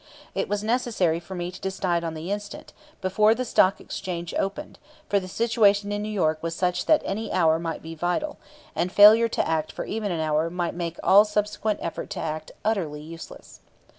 It was necessary for me to decide on the instant, before the Stock Exchange opened, for the situation in New York was such that any hour might be vital, and failure to act for even an hour might make all subsequent effort to act utterly useless.